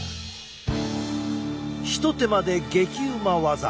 一手間で激うまワザ。